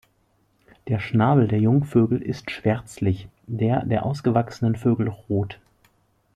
Der Schnabel der Jungvögel ist schwärzlich, der der ausgewachsenen Vögel rot.